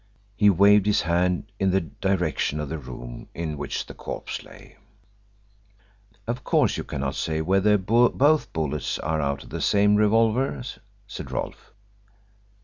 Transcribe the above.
He waved his hand in the direction of the room in which the corpse lay. "Of course you cannot say yet whether both bullets are out of the same revolver?" said Rolfe.